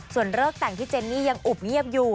ส่วนเลิกแต่งที่เจนนี่ยังอุบเงียบอยู่